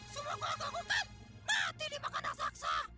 semua kelakuan hutan mati dimakan raksasa